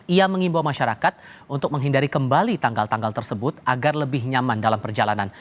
ia mengimbau masyarakat untuk menghindari kembali tanggal tanggal tersebut agar lebih nyaman dalam perjalanan